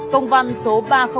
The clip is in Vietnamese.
công văn số ba trăm linh ba